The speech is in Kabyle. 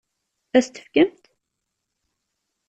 Ad as-t-tefkemt?